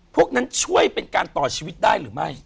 พวกนั้นช่วยเป็นการต่อชีวิตได้หรือไม่